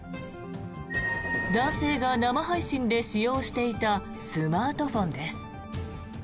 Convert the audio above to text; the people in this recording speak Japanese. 男性が生配信で使用していたスマートフォンです。